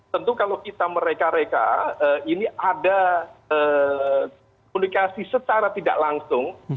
tentu kalau kita mereka reka ini ada komunikasi secara tidak langsung